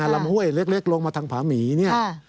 ลำห้วยเล็กลงมาทางผาหมีเนี่ย